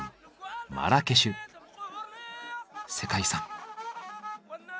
マラケシュ世界遺産。